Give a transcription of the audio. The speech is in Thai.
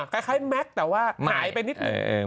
คล้ายแม็กซ์แต่ว่าหายไปนิดนึง